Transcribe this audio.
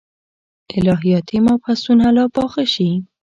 الهیاتي مبحثونه لا پاخه شي.